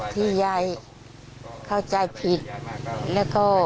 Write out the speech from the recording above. ที่ยายเข้าใจผิดแล้วก็